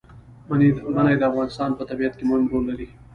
منی د افغانستان په طبیعت کې مهم رول لري.